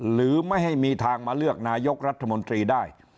หรือไม่ให้มีทางมาเลือกนายกรัฐมนตรีได้